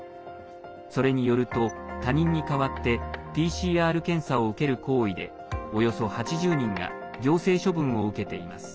それによると、他人に代わってＰＣＲ検査を受ける行為でおよそ８０人が行政処分を受けています。